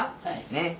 ねっ。